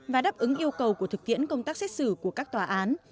và đáp ứng yêu cầu của thực tiễn công tác xét xử của các tòa án